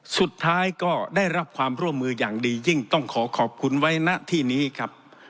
สุดท้ายก็ได้รับความร่วมมืออย่างดียิ่งต้องขอขอบคุณไว้ณที่นี้ครับ